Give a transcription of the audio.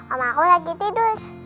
om aku lagi tidur